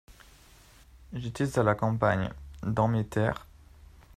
J’étais à la campagne, Dans mes terres…